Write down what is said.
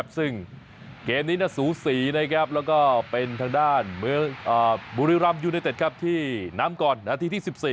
ซึ่งเกมนี้สูสีนะครับแล้วก็เป็นทางด้านบริรัมยูในเต็ดที่นำก่อนอาทิตย์ที่๑๔